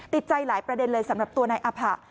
ติดใจหลายประเด็นเลยสำหรับตัวนายอภะ